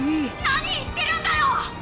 「何言ってるんだよ！」。